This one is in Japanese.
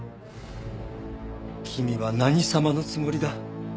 君は何様のつもりだ？